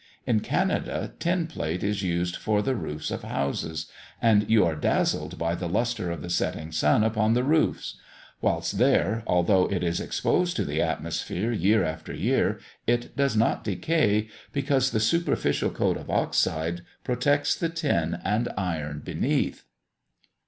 In Canada, tin plate is used for the roofs of houses, and you are dazzled by the lustre of the setting sun upon the roofs; whilst there, although it is exposed to the atmosphere year after year, it does not decay, because the superficial coat of oxide protects the tin and iron beneath.